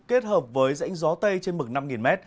kết hợp với rãnh gió tây trên mực năm m